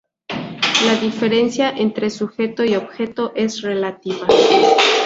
La diferencia entre sujeto y objeto es relativa¨.